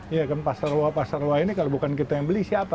iya kan pasar loa pasar loa ini kalau bukan kita yang beli siapa